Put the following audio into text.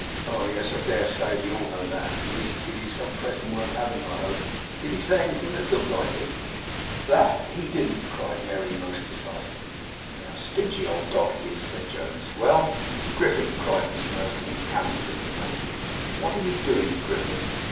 'Oh, yes, I dare say! We all know that. He means to give you some present worth having, I hope. Did he say anything that looked like it?' 'THAT he didn't!' cried Merry, most decisively. 'A stingy old dog he is,' said Jonas. 'Well?' 'Griffin!' cried Miss Mercy, in counterfeit amazement; 'what are you doing, Griffin?